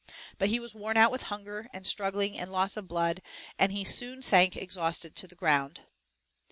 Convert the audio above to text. But he was worn out with hunger and struggling and loss of blood, and he soon sank exhausted to the ground.